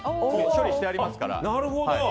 処理してありますから。